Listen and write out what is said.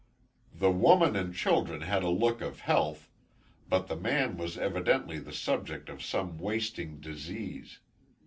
The woman and children had a look of health, but the man was evidently the subject of some wasting disease.